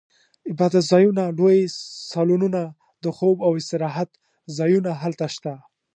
عبادتځایونه، لوی سالونونه، د خوب او استراحت ځایونه هلته شته.